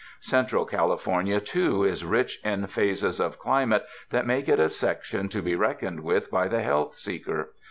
Central California, too, is rich in phases of climate that make it a section to be reckoned with by the health seeker.